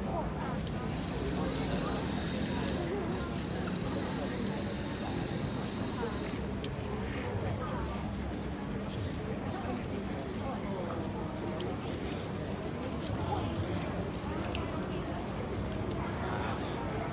โปรดติดตามตอนต่อไป